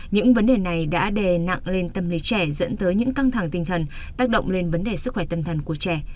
những vấn đề này đã đè nặng lên tâm lý trẻ dẫn tới những căng thẳng tinh thần tác động lên vấn đề sức khỏe tâm thần của trẻ